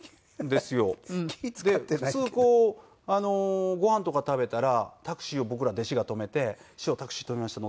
普通こうご飯とか食べたらタクシーを僕ら弟子が止めて「師匠タクシー止めました。